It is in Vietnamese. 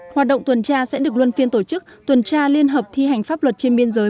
hoạt động tuần tra sẽ được luân phiên tổ chức tuần tra liên hợp thi hành pháp luật trên biên giới